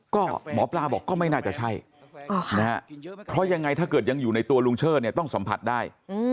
ก็หมอปลาบอกก็ไม่น่าจะใช่นะฮะเพราะยังไงถ้าเกิดยังอยู่ในตัวลุงเชิดเนี่ยต้องสัมผัสได้